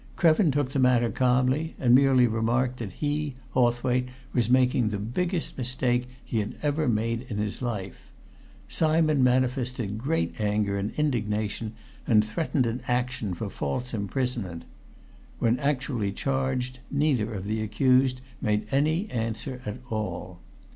Krevin took the matter calmly, and merely remarked that he, Hawthwaite, was making the biggest mistake he had ever made in his life; Simon manifested great anger and indignation, and threatened an action for false imprisonment. When actually charged neither of the accused made any answer at all.